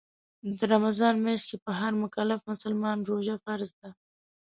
د رمضان میاشت کې په هر مکلف مسلمان روژه فرض ده